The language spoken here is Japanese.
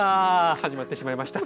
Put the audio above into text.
始まってしまいました。